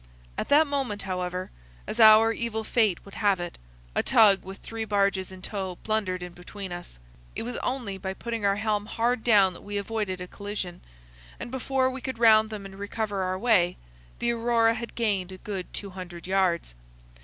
At that moment, however, as our evil fate would have it, a tug with three barges in tow blundered in between us. It was only by putting our helm hard down that we avoided a collision, and before we could round them and recover our way the Aurora had gained a good two hundred yards.